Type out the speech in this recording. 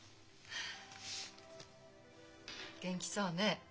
元気そうね。